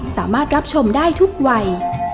สามารถรับชมได้ทุกวัย